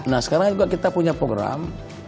nah sekarang juga kita punya program